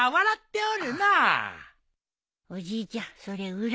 おじいちゃんそれ裏だよ。